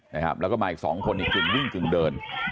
นะครับแล้วก็มาอีกสองคนอีกกลุ่มวิ่งกลุ่มเดิน